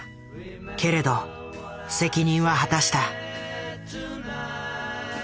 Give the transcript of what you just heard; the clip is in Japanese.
けれど責任は果たした。